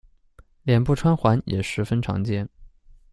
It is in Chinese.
脸部穿环也十分常见。